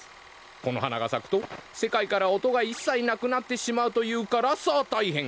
このはながさくとせかいから音がいっさいなくなってしまうというからさあたいへん！